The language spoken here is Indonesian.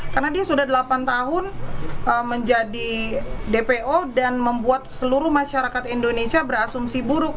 karena dia sudah delapan tahun menjadi dpo dan membuat seluruh masyarakat indonesia berasumsi buruk